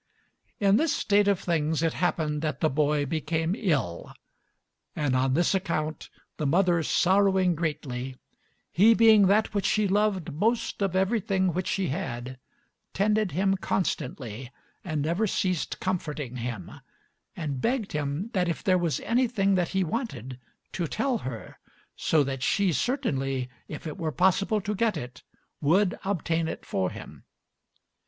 In this state of things it happened that the boy became ill, and on this account the mother sorrowing greatly, he being that which she loved most of everything which she had, tended him constantly and never ceased comforting him; and begged him that if there was anything that he wanted, to tell her, so that she certainly, if it were possible to get it, would obtain it for him.